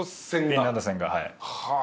フィンランド戦がはい。